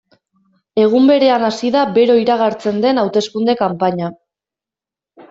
Egun berean hasi da bero iragartzen den hauteskunde kanpaina.